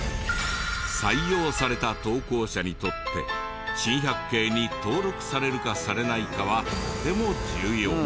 採用された投稿者にとって珍百景に登録されるかされないかはとても重要。